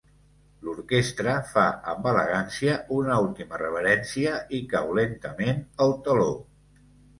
L'orquestra fa amb elegància una última reverència i cau lentament el teló.